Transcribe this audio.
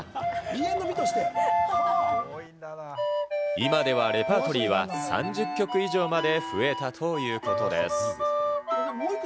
今ではレパートリーは３０曲以上まで増えたということです。